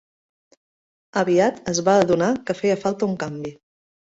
Aviat es va adonar que feia falta un canvi.